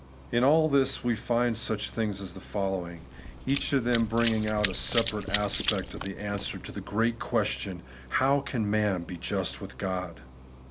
In all this we find such things as the following ; each of them bringing out a separate aspect of the answer to the great question, ' How can man be just with God